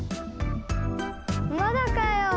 まだかよ。